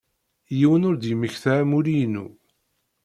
Yiwen ur d-yemmekta amulli-inu.